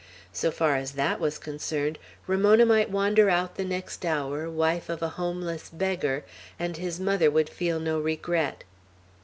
So far as that was concerned, Ramona might wander out the next hour, wife of a homeless beggar, and his mother would feel no regret.